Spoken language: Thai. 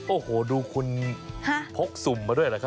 โอ้โหดูคุณพกสุ่มมาด้วยเหรอครับ